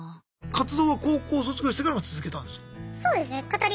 活動は高校を卒業してからも続けたんですか？